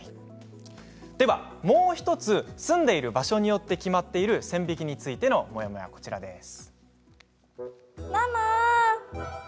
では、もう１つ住んでいる場所によって決まっている線引きについてのモヤモヤです。